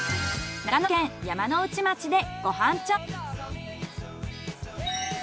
長野県山ノ内町でご飯調査。